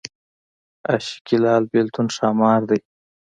عاشقي لال بېلتون ښامار دی